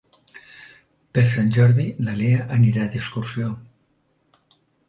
Per Sant Jordi na Lea anirà d'excursió.